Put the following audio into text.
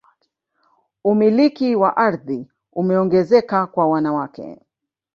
umiliki wa ardhi umeongezeka kwa wanawake